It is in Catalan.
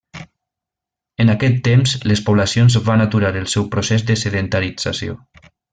En aquest temps les poblacions van aturar el seu procés de sedentarització.